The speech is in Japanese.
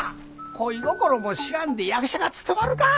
恋心も知らんで役者が務まるかぁ。